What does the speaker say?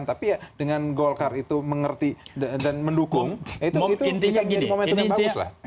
tapi ya dengan golkar itu mengerti dan mendukung itu bisa menjadi momentum yang bagus lah